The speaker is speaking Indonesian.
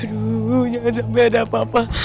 dulu jangan sampai ada apa apa